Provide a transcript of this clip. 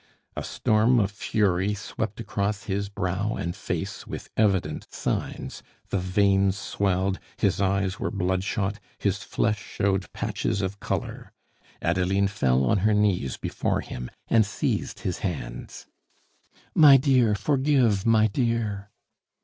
A storm of fury swept across his brow and face with evident signs; the veins swelled, his eyes were bloodshot, his flesh showed patches of color. Adeline fell on her knees before him and seized his hands. "My dear, forgive, my dear!"